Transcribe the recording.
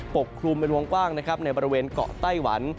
กลุ่มเป็นวงกว้างนะครับในบริเวณเกาะไต้หวัน